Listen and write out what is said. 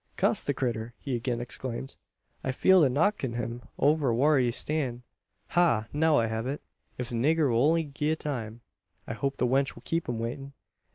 "Cuss the critter!" he again exclaimed. "I feel like knockin' him over whar he stan's. Ha! now I hev it, if the nigger will only gie time. I hope the wench will keep him waitin'.